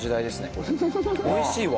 これおいしいわ。